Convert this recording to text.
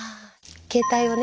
携帯をね